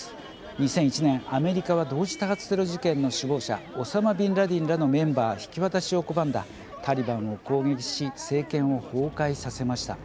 ２００１年、アメリカは同時多発テロ事件の首謀者オサマ・ビン・ラディンらのメンバー引き渡しを拒んだタリバンを攻撃し政権を崩壊させました。